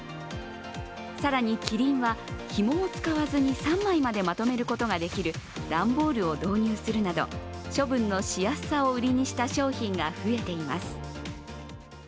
更にキリンは、ひもを使わずに３枚までまとめることができる段ボールを導入するなど処分のしやすさを売りにした商品が増えています。